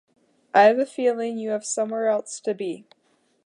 I have a feeling you have somewhere else to be.